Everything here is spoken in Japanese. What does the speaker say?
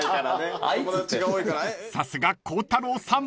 ［さすが孝太郎さん